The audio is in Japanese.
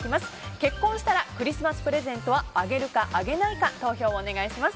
結婚したらクリスマスプレゼントあげるあげないか投票をお願いします。